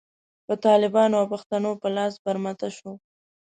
په طالبانو او پښتنو په لاس برمته شوه.